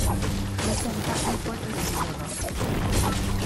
Presenta un fuerte sonido rock.